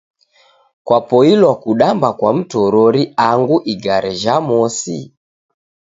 Kwapoilwa kudamba kwa mtorori andu igare jha mosi?